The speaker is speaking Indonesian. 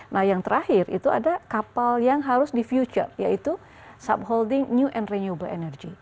nah yang terakhir itu ada kapal yang harus di future yaitu subholding new and renewable energy